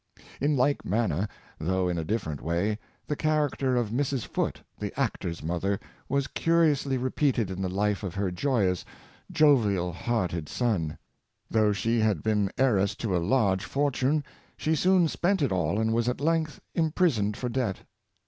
In like manner, though in a different way, the char acter of Mrs. Foote, the actor's mother, was curiously repeated in the life of her joyous, jovial hearted son. Though she had been heiress to a large fortune, she soon spent it all, and was at length imprisoned for debt.